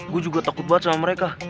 gue juga takut banget sama mereka